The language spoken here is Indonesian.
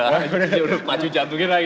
dia sudah panju jantungin lagi